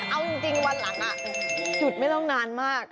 เอาจริงวันหลังจุดไม่ต้องนานมาก